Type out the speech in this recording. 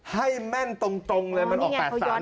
ให้แม่นตรงเลยมันออก๘๓ใช่ไหม